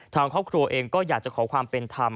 ทางครอบครัวเองก็อยากจะขอความเป็นธรรม